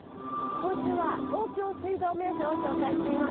今週は東京水道名所を紹介しています。